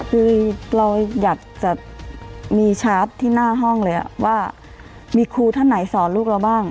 คือเราอยากจะมีชาร์จที่หน้าห้องเลยว่ามีครูท่านไหนสอนลูกเราบ้าง